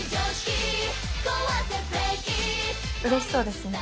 うれしそうですね。